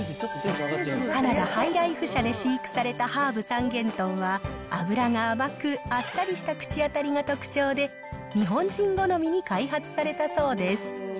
カナダ・ハイライフ社で飼育されたハーブ三元豚は脂が甘く、あっさりした口当たりが特徴で、日本人好みに開発されたそうです。